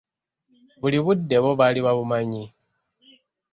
Buli budde bbo bali babumanyi.